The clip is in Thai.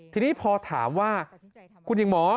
ทีนี้พอถามว่าคุณหญิงหมอ